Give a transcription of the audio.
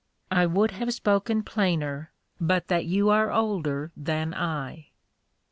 I would have spoken plainer, but that you are older than I. CHR.